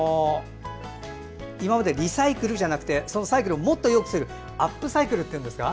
今までリサイクルじゃなくてそのサイクルをもっとよくするアップサイクルというんですか。